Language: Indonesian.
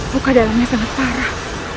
ruka dalamnya sangat parah